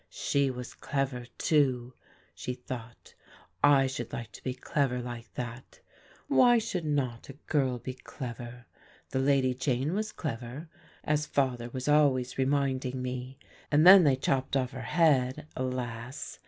"She was clever, too," she thought, "I should like to be clever like that. Why should not a girl be clever? The Lady Jane was clever, as father was always reminding me and then they chopped off her head, alas!